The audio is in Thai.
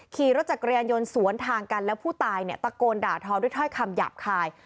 ขี่รถจักรยานยนต์สวนทางกันแล้วผู้ตายเนี่ยตะโกนด่าทอด้วยถ้อยคำหยาบคาย